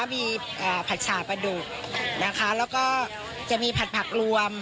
มีผัดฉาปลาดุกนะคะแล้วก็จะมีผัดผักรวม